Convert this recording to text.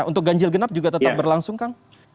untuk ganjil genap juga tetap berlangsung kang